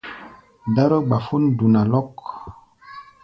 Dáró-gbafón duna lɔ́k.